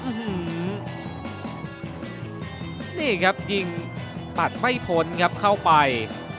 อืมนี่ครับยิงปัดไม่พ้นครับเข้าไป